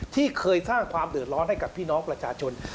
ที่เคยสร้างความเดือดร้อนให้กับพี่น้องประชาชน